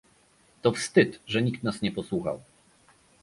To wstyd, że nikt nas nie posłuchał